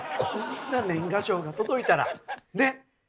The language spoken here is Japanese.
こんな年賀状が届いたらね？